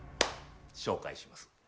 紹介します。